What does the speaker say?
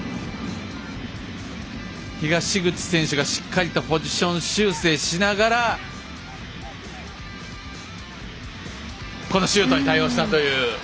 東口選手が、しっかりとポジション修正しながらシュートに対応したという。